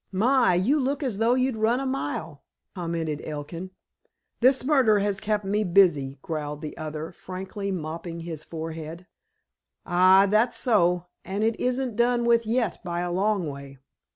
"My! You look as though you'd run a mile," commented Elkin. "This murder has kept me busy," growled the other, frankly mopping his forehead. "Ay, that's so. And it isn't done with yet, by a long way.